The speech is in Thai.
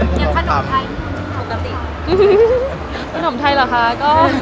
มีค่อนข้างไหวรเหรอค่ะ